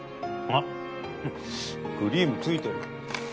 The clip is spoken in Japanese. あっクリームついてる。